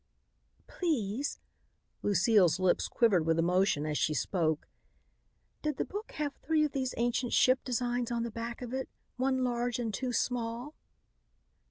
"Please," Lucile's lips quivered with emotion as she spoke, "did the book have three of these ancient ship designs on the back of it, one large and two small?"